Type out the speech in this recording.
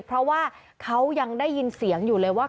เพราะว่าเขายังได้ยินเสียงอยู่เลยว่า